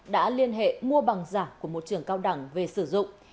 đã liên hệ mua bằng giả của một trường cao đẳng về sử dụng